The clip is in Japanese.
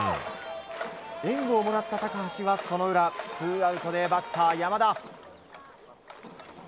援護をもらった高橋は、その裏ツーアウトでバッター山田。